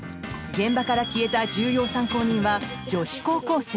現場から消えた重要参考人は女子高校生。